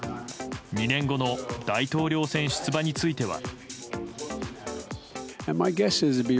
２年後の大統領選出馬については。